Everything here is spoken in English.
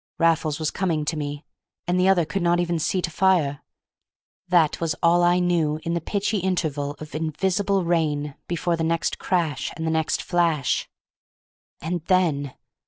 Raffles was coming to me, and the other could not even see to fire; that was all I knew in the pitchy interval of invisible rain before the next crash and the next flash. And then!